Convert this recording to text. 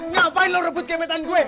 ngapain lo rebut kemetan gue